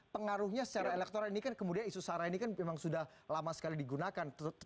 pengaruhnya secara elektoral ini kan kemudian isu sarah ini kan memang sudah lama sekali digunakan